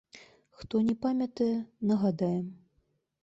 Хто не памятае, нагадаем.